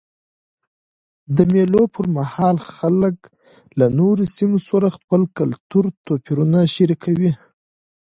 د مېلو پر مهال خلک له نورو سیمو سره خپل کلتوري توپیرونه شریکوي.